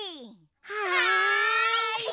はい！